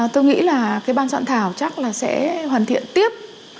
tôi nghĩ là cái ban soạn thảo chắc là sẽ hoàn thiện tiếp